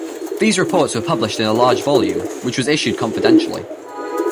These reports were published in a large volume, which was issued confidentially.